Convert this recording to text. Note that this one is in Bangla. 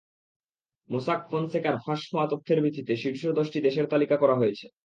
মোসাক ফনসেকার ফাঁস হওয়া তথ্যের ভিত্তিতে শীর্ষ দশটি দেশের তালিকা করা হয়েছে।